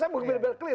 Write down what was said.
saya mau lebih clear